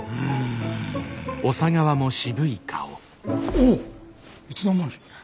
おおっいつの間に！